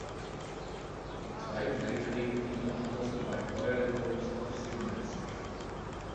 Im Zweiten Weltkrieg diente Anderson beim Royal Corps of Signals.